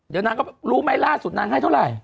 เดี๋ยวนางก็รู้ไหมล่าสุดนางให้เท่าไหร่